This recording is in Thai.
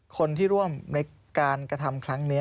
คนที่ร่วมในการกระทำครั้งนี้